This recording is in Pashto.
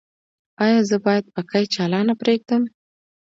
ایا زه باید پکۍ چالانه پریږدم؟